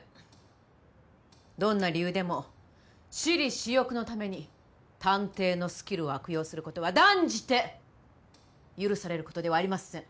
どんな理由でも私利私欲のために探偵のスキルを悪用することは断じて許されることではありません。